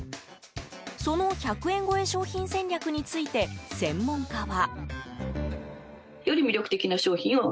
その１００円超え商品戦略について専門家は。